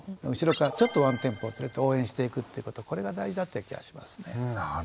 後ろからちょっとワンテンポ遅れて応援していくっていうことこれが大事だっていう気がしますね。